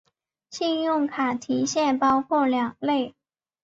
信用卡提现包括两类。